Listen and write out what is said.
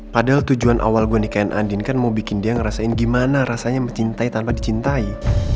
padahal tujuan awal gue nikahin andin kan mau bikin dia ngerasain gimana rasanya mencintai tanpa dicintai